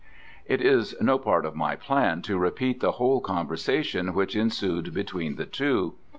It is no part of my plan to repeat the whole conversation which ensued between the two.